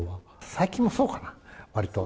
最近もそうかな、わりと。